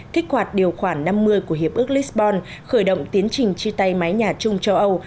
kích hoạt điều khoản năm mươi của hiệp ước lisbon khởi động tiến trình chia tay mái nhà chung châu âu